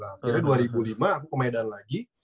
akhirnya dua ribu lima aku ke medan lagi